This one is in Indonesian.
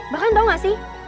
bahkan tau nggak sih